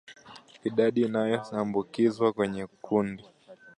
Idadi inayoambukizwa kwenye kundi